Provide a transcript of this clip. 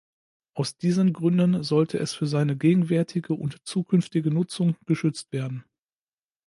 Aus diesen Gründen sollte es für seine gegenwärtige und zukünftige Nutzung geschützt werden.